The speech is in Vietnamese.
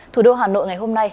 thủ đô hà nội ngày hôm nay